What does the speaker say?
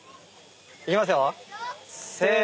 いきますよ！